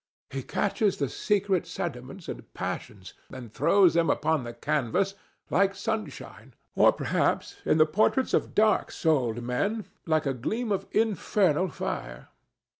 He catches the secret sentiments and passions and throws them upon the canvas like sunshine, or perhaps, in the portraits of dark souled men, like a gleam of infernal fire.